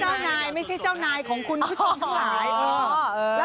น้องเจ้านายไม่ใช่เจ้านายของคุณผู้ชมทุกคนหมายขออ๋อเออ